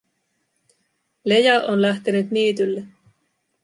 Leja on lähtenyt niitylle.